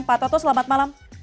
pak toto selamat malam